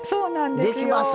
できますね。